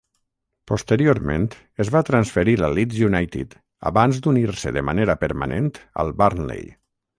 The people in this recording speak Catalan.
Posteriorment, es va transferir al Leeds United abans d'unir-se de manera permanent al Burnley.